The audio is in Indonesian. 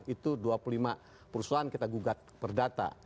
itu dua puluh lima perusahaan kita gugat perdata